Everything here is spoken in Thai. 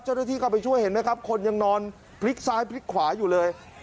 เจ้าหน้าที่เข้าไปช่วยเห็นไหมครับคนยังนอนพลิกซ้ายพลิกขวาอยู่เลย